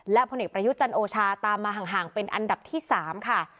และพนิกประยุจรรย์โอชาตามมาห่างเป็นอันดับที่สามค่ะ